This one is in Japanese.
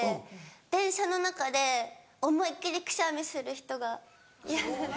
電車の中で思いっ切りくしゃみする人が嫌。